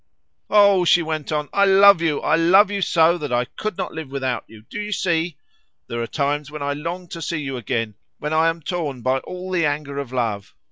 "Oh," she went on, "I love you! I love you so that I could not live without you, do you see? There are times when I long to see you again, when I am torn by all the anger of love.